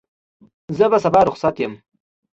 زه به سبا رخصت یم.